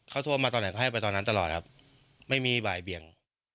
เขาโทรมาตอนไหนเขาให้ไปตอนนั้นตลอดครับไม่มีบ่ายเบียง